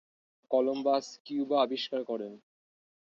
Columbus Cuba আবিষ্কার করেন।